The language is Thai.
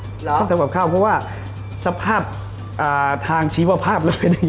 พี่ชอบทำกับข้าวเพราะว่าสภาพทางชีวภาพ